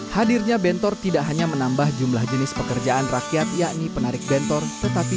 hadirnya bentor tidak hanya menambah jumlah jenis pekerjaan rakyat yakni penarik bentor tetapi